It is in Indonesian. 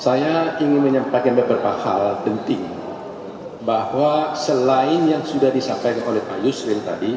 saya ingin menyampaikan beberapa hal penting bahwa selain yang sudah disampaikan oleh pak yusril tadi